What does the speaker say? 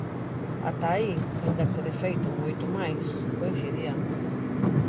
Ata aí, aínda que de feito en moito máis, coincidían.